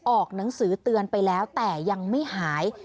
ออกหนังสือเตือนไปแล้วแต่ยังไม่หาย